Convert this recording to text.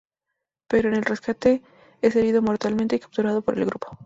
Pero en el rescate es herido mortalmente y capturado por el grupo.